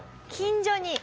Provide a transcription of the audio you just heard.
近所に。